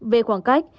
về khoảng cách